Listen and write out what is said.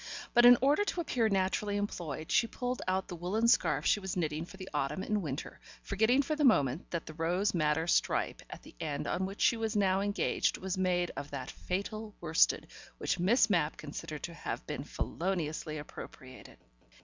But in order to appear naturally employed, she pulled out the woollen scarf she was knitting for the autumn and winter, forgetting for the moment that the rose madder stripe at the end on which she was now engaged was made of that fatal worsted which Miss Mapp considered to have been feloniously appropriated.